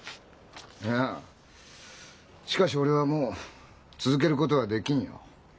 いやしかし俺はもう続けることはできんよ。